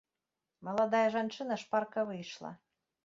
Маладая жанчына шпарка выйшла.